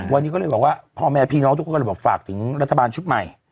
วันนี้ก็เลยบอกว่าพ่อแม่พี่น้องทุกคนก็เลยบอกฝากถึงรัฐบาลชุดใหม่